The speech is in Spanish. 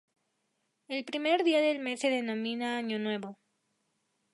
El primer día del mes se denomina Año Nuevo.